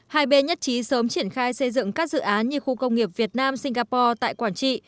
hai bên nhất trí sớm triển khai xây dựng các dự án như khu công nghiệp việt nam singapore tại quảng trị